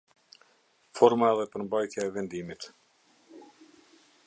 Forma dhe përmbajtja e vendimit.